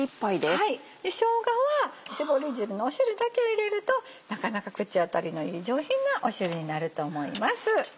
しょうがは搾り汁の汁だけを入れるとなかなか口当たりのいい上品な汁になると思います。